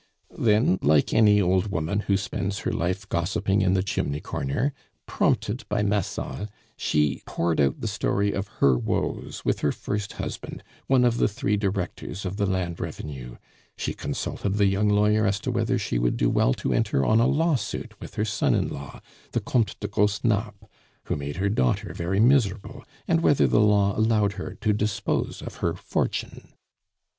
Then, like any old woman who spends her life gossiping in the chimney corner, prompted by Massol, she poured out the story of her woes with her first husband, one of the three Directors of the land revenue. She consulted the young lawyer as to whether she would do well to enter on a lawsuit with her son in law, the Comte de Gross Narp, who made her daughter very miserable, and whether the law allowed her to dispose of her fortune.